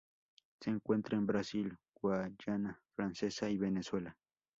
Se encuentra en Brasil, Guayana Francesa y Venezuela.